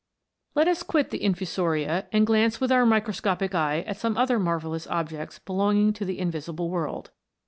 Let us quit the infusoria and glance with our microscopic eye at some other marvellous objects belonging to the invisible world.